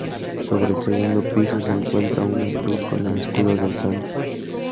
Sobre el segundo piso se encuentra una cruz con el escudo del santo.